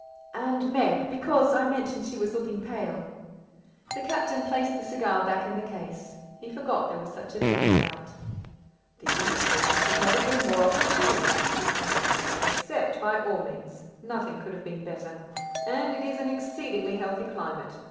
"And Meg, because I mentioned she was looking pale." The Captain placed the cigar back in the case. He forgot there was such a thing as gout. "The invitation could not have been more opportune," he said. "Accept by all means; nothing could have been better; and it is an exceedingly healthy climate.